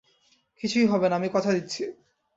কিছুই হবেনা, আমি কথা দিচ্ছি।